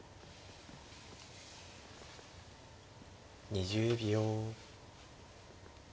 ２０秒。